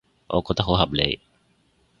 我覺得好合理